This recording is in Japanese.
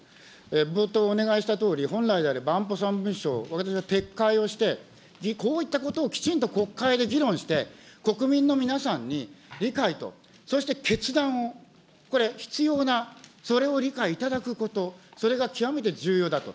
冒頭、お願いしたとおり、本来であれば安保三文書、私は撤回をして、こういったことを国会できちんと議論して、国民の皆さんに理解と、そして決断をこれ、必要な、それを理解いただくこと、それが極めて重要だと。